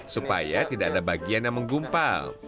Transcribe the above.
supaya tidak ada bagian yang menggumpal